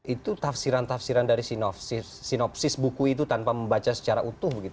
itu tafsiran tafsiran dari sinopsis buku itu tanpa membaca secara utuh